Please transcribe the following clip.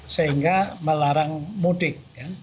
sehingga melarang mudik